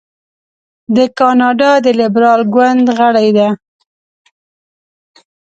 د کاناډا د لیبرال ګوند غړې ده.